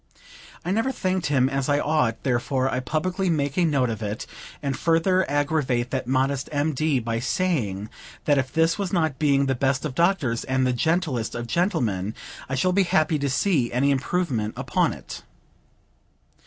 I never thanked him as I ought; therefore, I publicly make a note of it, and further aggravate that modest M.D. by saying that if this was not being the best of doctors and the gentlest of gentlemen, I shall be happy to see any improvement upon it.